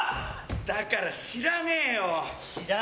だから知らねえよ！